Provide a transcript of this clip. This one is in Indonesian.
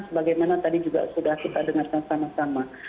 sebagaimana tadi juga sudah kita dengarkan sama sama